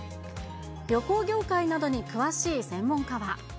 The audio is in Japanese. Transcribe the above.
旅行業界などに詳しい専門家は。